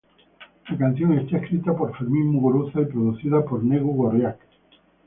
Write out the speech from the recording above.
La canción está escrita por Fermin Muguruza y producida por Negu gorriak.